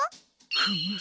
フム！